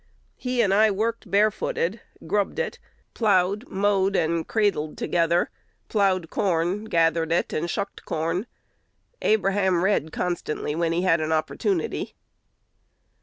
He and I worked barefooted, grubbed it, ploughed, mowed, and cradled together; ploughed corn, gathered it, and shucked corn. Abraham read constantly when he had an opportunity."